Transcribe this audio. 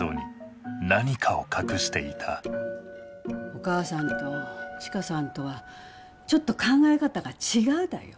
お母さんと千佳さんとはちょっと考え方が違うだよ。